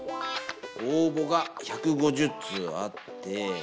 応募が１５０通あって。